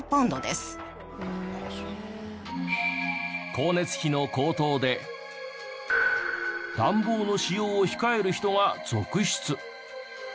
光熱費の高騰で暖房の使用を控える人が続出。